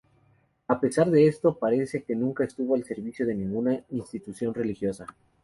A pesar de esto, parece que nunca estuvo al servicio de ninguna institución religiosa.